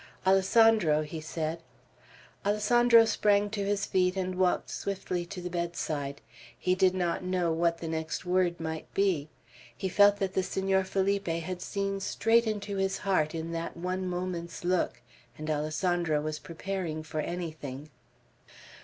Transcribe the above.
"Alessandro," he said. Alessandro sprang to his feet, and walked swiftly to the bedside. He did not know what the next word might be. He felt that the Senor Felipe had seen straight into his heart in that one moment's look, and Alessandro was preparing for anything.